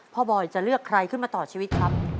บอยจะเลือกใครขึ้นมาต่อชีวิตครับ